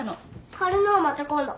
薫のはまた今度。